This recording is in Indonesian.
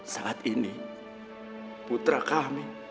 saat ini putra kami